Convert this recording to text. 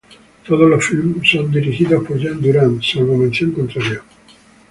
Todos los filmes son dirigidos por Jean Durand, salvo mención contraria.